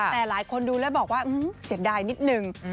แต่หลายคนดูแล้วบอกว่าเสียดายนิดนึง